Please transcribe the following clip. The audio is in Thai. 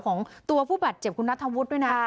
ของตัวผู้บาดเจ็บคุณนัทธวุฒิด้วยนะ